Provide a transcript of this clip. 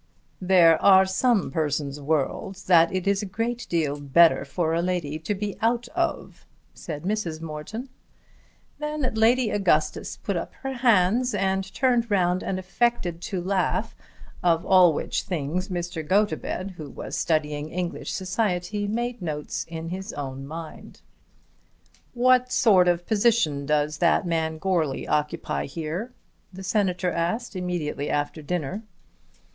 "There are some persons' worlds that it is a great deal better for a lady to be out of," said Mrs. Morton. Then Lady Augustus put up her hands, and turned round, and affected to laugh, of all which things Mr. Gotobed, who was studying English society, made notes in his own mind. "What sort of position does that man Goarly occupy here?" the Senator asked immediately after dinner.